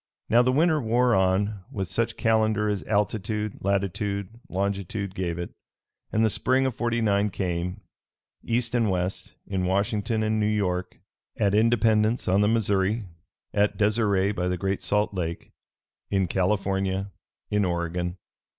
Now the winter wore on with such calendar as altitude, latitude, longitude gave it, and the spring of '49 came, East and West, in Washington and New York; at Independence on the Missouri; at Deseret by the Great Salt Lake; in California; in Oregon.